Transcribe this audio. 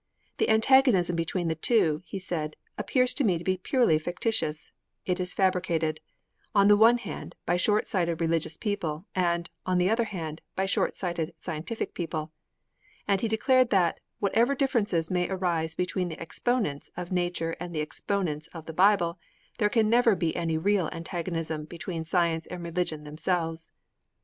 'The antagonism between the two,' he said, 'appears to me to be purely fictitious. It is fabricated, on the one hand, by short sighted religious people, and, on the other hand, by short sighted scientific people.' And he declared that, whatever differences may arise between the exponents of Nature and the exponents of the Bible, there can never be any real antagonism between Science and Religion themselves.